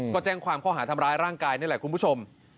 ก็แจ้งความข้อหาทำร้ายร่างกายนี่แหละคุณผู้ชม